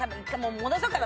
戻そっかな。